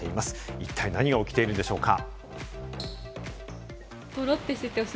一体何が起きているんでしょうか？